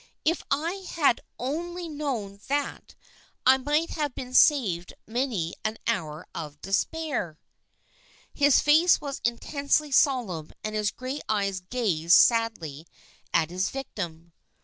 " If I had only known that, I might have been saved many an hour of despair." His face was intensely solemn and his gray eyes gazed sadly at his victim.